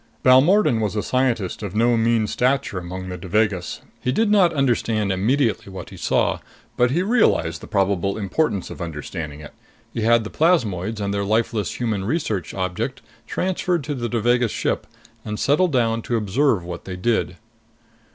Balmordan was a scientist of no mean stature among the Devagas. He did not understand immediately what he saw, but he realized the probable importance of understanding it. He had the plasmoids and their lifeless human research object transferred to the Devagas ship and settled down to observe what they did.